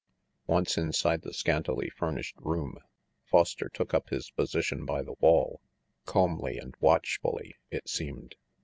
Once inside the scantily furnished room, Foster took up his position by the wall, calmly and watch fully, it seemed.